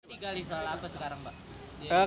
digali soal apa sekarang pak